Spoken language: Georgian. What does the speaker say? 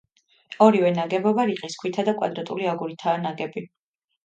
ორივე ნაგებობა რიყის ქვითა და კვადრატული აგურითაა ნაგები.